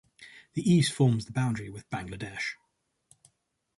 The east forms the boundary with Bangladesh.